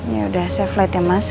yaudah safe flight ya mas